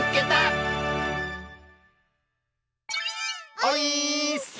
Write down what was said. オイーッス！